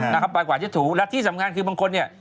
น่าภัยกว่าที่ตรูและที่สำคัญคือบางคนเนี่ย